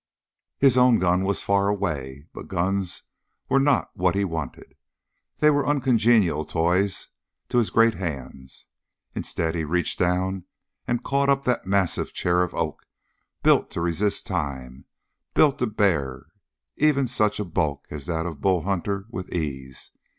His own gun was far away, but guns were not what he wanted. They were uncongenial toys to his great hands. Instead, he reached down and caught up that massive chair of oak, built to resist time, built to bear even such a bulk as that of Bull Hunter with ease.